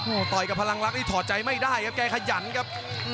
โอ้โหต่อยกับพลังรักนี่ถอดใจไม่ได้ครับแกขยันครับ